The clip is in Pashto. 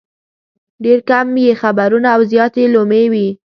ډېر کم یې خبرونه او زیات یې لومې وي.